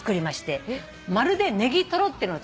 まるでネギトロっていうのを作ったらしい。